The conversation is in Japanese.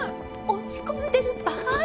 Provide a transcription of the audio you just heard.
落ち込んでる場合？